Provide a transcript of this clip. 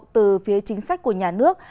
từ phía chính sách của nhà nước